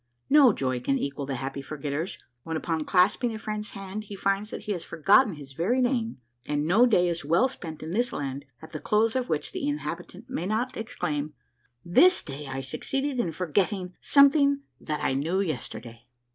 No joy can equal the Happy Forgetter's when, upon clasping a friend's hand, he finds that he has forgotten his very name ; and no day is well spent in this land at the close of which the inhabitant may not exclaim, — A MARVELLOUS UNDERGROUND JOURNEY 223 " This clay I succeeded in forgetting something that I knew yesterday